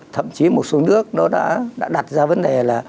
thậm chí một số nước đã đặt ra vấn đề